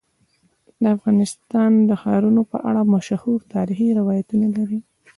افغانستان د ښارونه په اړه مشهور تاریخی روایتونه لري.